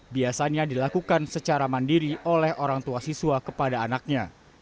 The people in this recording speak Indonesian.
biasanya dilakukan secara mandiri oleh orang tua siswa kepada anaknya